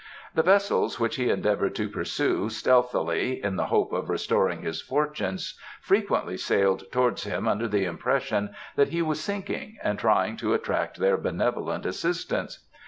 The vessels which he endeavoured to pursue stealthily in the hope of restoring his fortunes frequently sailed towards him under the impression that he was sinking and trying to attract their benevolent assistance.